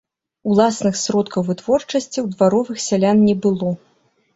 Уласных сродкаў вытворчасці ў дваровых сялян не было.